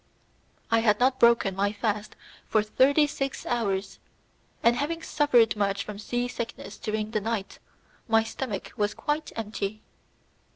I had not broken my fast for thirty six hours, and having suffered much from sea sickness during the night, my stomach was quite empty.